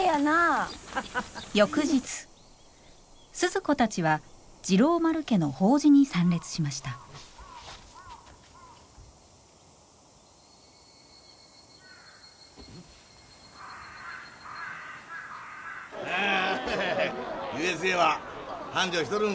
翌日スズ子たちは治郎丸家の法事に参列しましたＵＳＡは繁盛しとるんかいな？